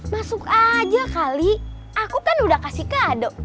masuk aja kali aku kan udah kasih kado